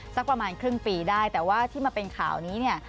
สักประมาณครึ่งปีได้แต่ว่าที่มาเป็นข่าวนี้เนี่ย